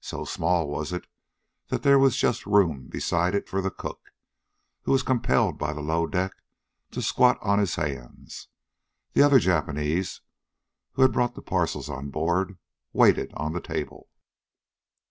So small was it that there was just room beside it for the cook, who was compelled by the low deck to squat on his hands. The other Japanese, who had brought the parcels on board, waited on the table.